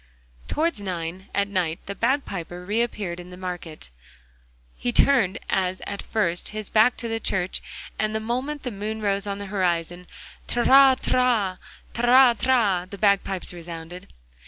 Towards nine at night the bagpiper re appeared on the market place. He turned, as at first, his back to the church, and the moment the moon rose on the horizon, 'Trarira, trari!' the bagpipes resounded.